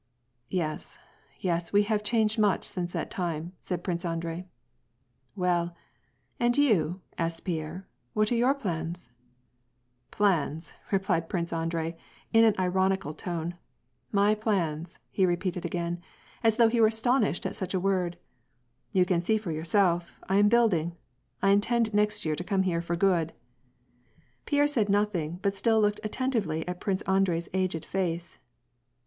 ^'Yes, yes, we have changed much since that time," said Prince Andrei. " Well, and you," asked Pierre, " what are your plans ?"" Plans !" repeated Prince Andrei, in an ironical tone ;" my plans !" he repeated again, as though he were astonished at such a word, " you can see for yourself, I am building ; I intend next year to come here for good." Pierre said nothing, but still looked attentively at Prince Andrei's aged face.